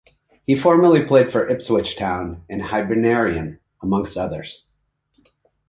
He formerly played for Ipswich Town and Hibernian, amongst others.